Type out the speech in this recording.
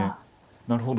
なるほど。